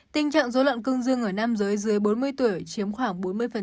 tình trạng dối loạn cương dương ở nam giới dưới bốn mươi tuổi chiếm khoảng bốn mươi